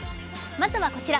まずはこちら。